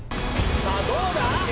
さぁどうだ？